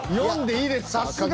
４でいいですか？